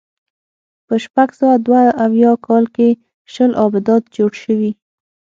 په شپږ سوه دوه اویا کال کې شل ابدات جوړ شوي.